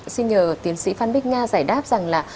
xin nhờ tiến sĩ phan bích nga giải đáp rằng là